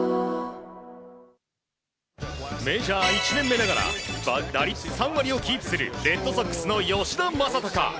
メジャー１年目ながら打率３割をキープするレッドソックスの吉田正尚。